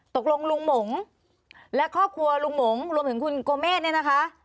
ตกลงลุงหมงและครอบครัวลุงหมงรวมถึงคุณโกเมฆเนี่ยนะคะ